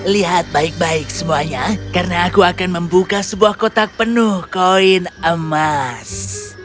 lihat baik baik semuanya karena aku akan membuka sebuah kotak penuh koin emas